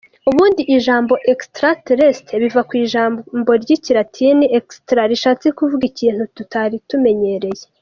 Ubundi ijambo extraterrestre biva ku ijambo ry’ikilatini; extra rishatse kuvuga ikintu tutari tumenyereye.